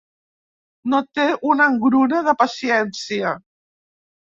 No té una engruna de paciència.